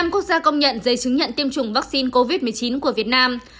năm quốc gia công nhận giấy chứng nhận tiêm chủng vaccine covid một mươi chín của việt nam